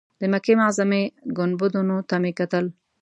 د مکې معظمې ګنبدونو ته مې کتل.